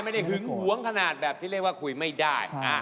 หึงหวงขนาดแบบที่เรียกว่าคุยไม่ได้